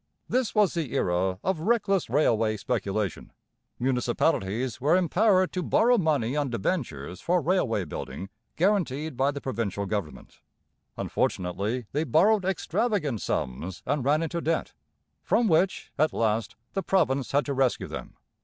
This was the era of reckless railway speculation. Municipalities were empowered to borrow money on debentures for railway building guaranteed by the provincial government. Unfortunately they borrowed extravagant sums and ran into debt, from which, at last, the province had to rescue them.